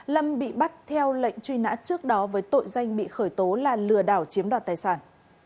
lâm bị bắt theo lệnh truy nã trước đó với tội danh bị khởi tố là lừa đảo chiếm đoạt tài sản